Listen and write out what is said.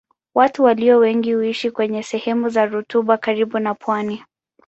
Watu walio wengi huishi kwenye sehemu za rutuba karibu na pwani.